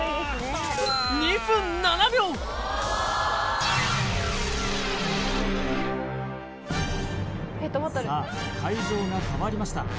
２分７秒さあ会場が変わりました